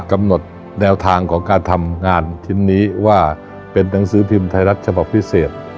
กำหนดแนวทางของการทำงานชิ้นนี้ว่าเป็นหนังสือพิมพ์ไทยรัฐฉบับพิเศษ